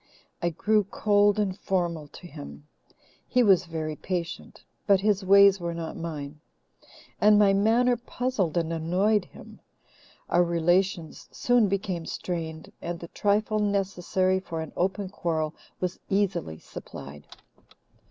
I grew cold and formal to him. He was very patient, but his ways were not mine, and my manner puzzled and annoyed him. Our relations soon became strained, and the trifle necessary for an open quarrel was easily supplied.